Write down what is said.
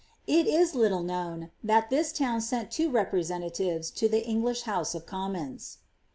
Jt is little known, that this town sent two representatives to the English house of commons.